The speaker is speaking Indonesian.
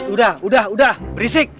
udah udah udah berisik